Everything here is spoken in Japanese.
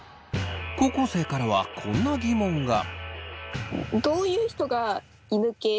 高校生からはこんな疑問が。